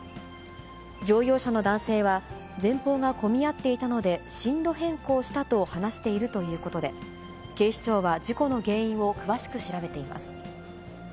乗用車の男性は、前方が混み合っていたので進路変更したと話しているということで、警視庁は事故の原因を詳しく調べています。